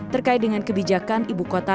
terkait dengan kebijakan ibu kota